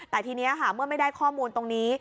แต่ทีนี้ค่ะเมื่อไม่ได้ข้อมูลตรงนี้